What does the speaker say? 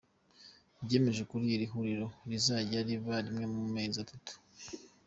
Byemejwe ko iri huriro rizajya riba rimwe mu mezi atatu.